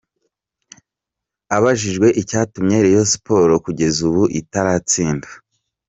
Abajijwe icyatumye Rayon Sports kugeza ubu itaratsinda